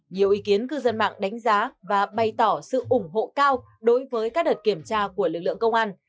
nhiều ý kiến cư dân mạng đánh giá và bày tỏ sự ủng hộ cao đối với các đợt kiểm tra của lực lượng công an